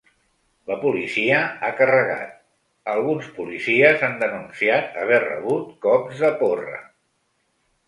La policia ha carregat, alguns policies han denunciat haver rebut cops de porra.